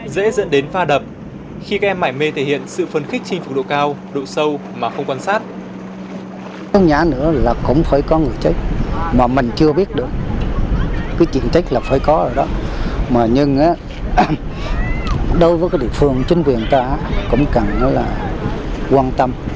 dễ dẫn đến pha đập khi các em mải mê thể hiện sự phân khích chinh phục độ cao độ sâu mà không quan sát